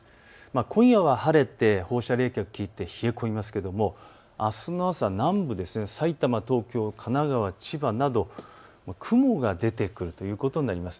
今夜は晴れて放射冷却があって冷え込みますが、あすの朝南部、埼玉、東京、神奈川、千葉など雲が出てくるということになります。